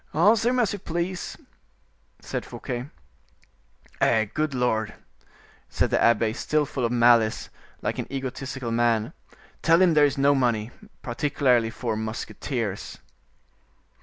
"Answer him as you please," said Fouquet. "Eh! good Lord!" said the abbe, still full of malice, like an egotistical man; "tell him there is no money, particularly for musketeers."